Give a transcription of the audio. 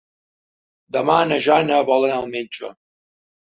Demà na Jana vol anar al metge.